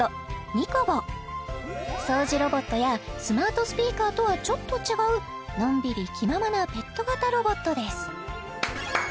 ＮＩＣＯＢＯ掃除ロボットやスマートスピーカーとはちょっと違うのんびり気ままなペット型ロボットです